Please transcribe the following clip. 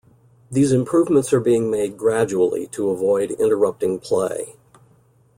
These improvements are being made gradually to avoid interrupting play.